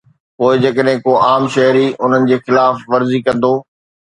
پوءِ جيڪڏهن ڪو عام شهري انهن جي خلاف ورزي ڪندو.